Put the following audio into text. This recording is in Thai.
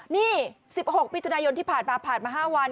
นี่๑๖มิถุนายนที่ผ่านมาผ่านมา๕วัน